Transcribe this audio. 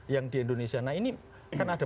yang di indonesia nah ini kan ada